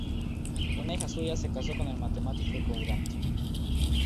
Una hija suya se casó con el matemático Courant.